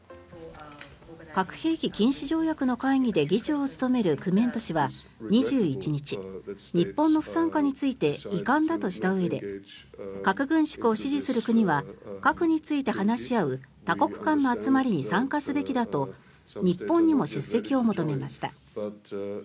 核兵器禁止条約の会議で議長を務めるクメント氏は２１日日本の不参加について遺憾だとしたうえで核軍縮を支持する国は核について話し合う多国間の集まりに参加すべきだと日本にも出席を求めました。